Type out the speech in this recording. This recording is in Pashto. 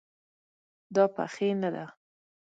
دا پخې نه ده